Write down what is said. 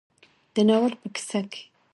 د ناول په کيسه کې